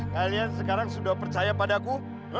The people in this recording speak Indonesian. kalian sekarang sudah percaya padaku